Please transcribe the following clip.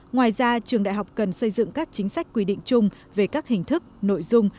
ngoài ra trường đại học cần xây dựng các chính sách quy định chung về các hình thức nội dung